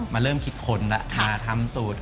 มาเริ่มคิดค้นละค่ะทำสูตร